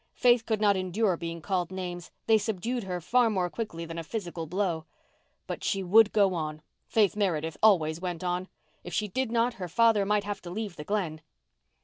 Faith could not endure being called names—they subdued her far more quickly than a physical blow. But she would go on—Faith Meredith always went on. If she did not her father might have to leave the Glen.